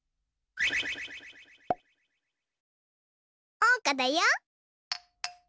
おうかだよ。